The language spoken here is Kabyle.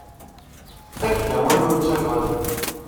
Fakk-d awal ur ttagad.